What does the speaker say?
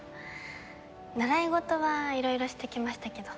習い事はいろいろしてきましたけど。